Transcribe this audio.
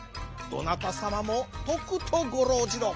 どなたさまもとくとごろうじろ。